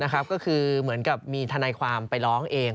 ก็คือเหมือนกับมีทนายความไปร้องเอง